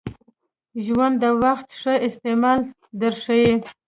ژوند د وخت ښه استعمال در ښایي .